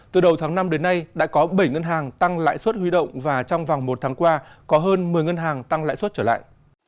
từ đầu tháng năm đến nay đã có bảy ngân hàng tăng lãi suất huy động và trong vòng một tháng qua có hơn một mươi ngân hàng tăng lãi suất trở lại